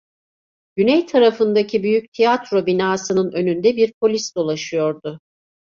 Güney tarafındaki büyük tiyatro binasının önünde bir polis dolaşıyordu.